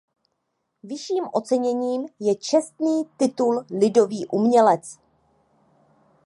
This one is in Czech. Vyšším oceněním je čestný titul Lidový umělec.